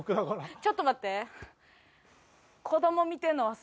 ちょっと待って。